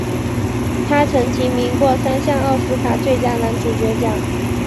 他曾提名过三项奥斯卡最佳男主角奖。